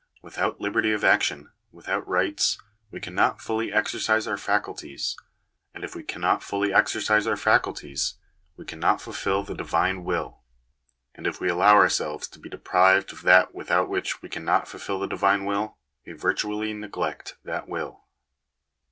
Without liberty of action, without rights, we cannot fully exercise our faculties ; and if we cannot fully exercise our faculties we cannot fulfil the Divine will ; and if we allow ourselves to be deprived of that without which we can licit fulfil the Divine will, we virtually neglect that will.